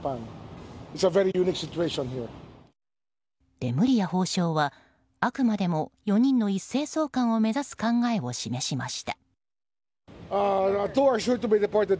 レムリヤ法相はあくまでも４人の一斉送還を目指す考えを示しました。